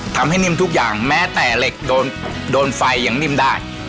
ทำให้นิ่มทุกอย่างแม้แต่เหล็กโดนไฟยังนิ่มได้